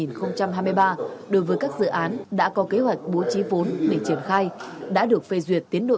năm hai nghìn hai mươi ba đối với các dự án đã có kế hoạch bố trí vốn để triển khai đã được phê duyệt tiến